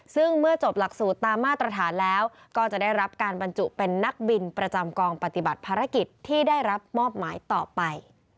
ซึ่งเมื่อจบหลักสูตรตามมาตรฐานแล้วก็จะได้รับการบรรจุเป็นนักบินประจำกองปฏิบัติภารกิจที่ได้รับมอบหมายต่อไป